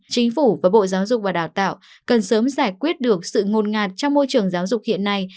chính phủ và bộ giáo dục và đào tạo cần sớm giải quyết được sự ngột ngạt trong môi trường giáo dục hiện nay